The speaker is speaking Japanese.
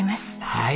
はい。